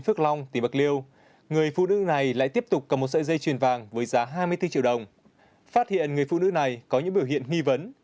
phát hiện người phụ nữ này có những biểu hiện nghi vấn